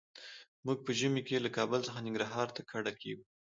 موږ په ژمي کې له کابل څخه ننګرهار ته کډه کيږو.